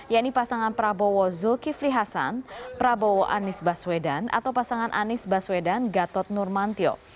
yaitu pasangan prabowo zulkifli hasan prabowo anies baswedan atau pasangan anies baswedan gatot nurmantio